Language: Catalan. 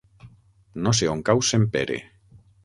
No sé on cau Sempere.